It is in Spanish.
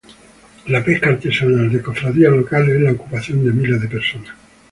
la pesca artesanal de cofradías locales es la ocupación de miles de personas